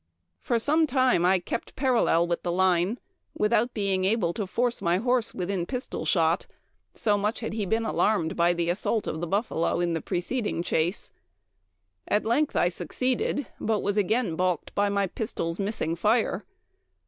M For some time I kept parallel with the line, without being able to force my horse within pistol shot, so much had he been alarmed by the assault of the buffalo in the preceding chase. At length I succeeded, but was again balked by my pistols missing fire.